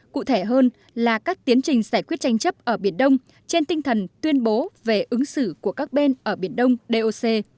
cụ thể hơn là các tiến trình giải quyết tranh chấp ở biển đông trên tinh thần tuyên bố về ứng xử của các bên ở biển đông doc